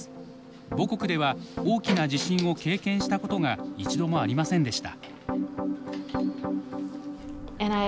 母国では大きな地震を経験したことが一度もありませんでした。